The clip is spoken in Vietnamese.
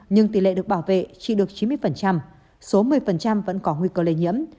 nhưng tỷ lệ được bảo vệ chỉ được chín mươi số một mươi vẫn có nguy cơ lây nhiễm